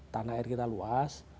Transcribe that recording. tanah air kita luas